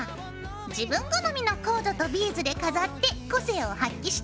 自分好みのコードとビーズで飾って個性を発揮してね！